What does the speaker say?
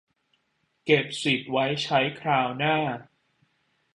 เก็บสิทธิ์ไว้ใช้คราวหน้า